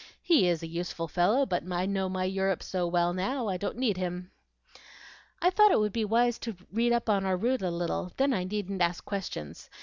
He is a useful fellow, but I know my Europe so well now, I don't need him." "I thought it would be wise to read up our route a little, then I needn't ask questions.